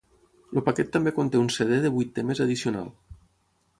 El paquet també conté un CD de vuit temes addicional.